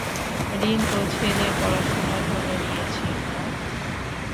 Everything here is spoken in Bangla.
ঋন তো ছেলের পড়াশোনার জন্য নিয়েছি, না?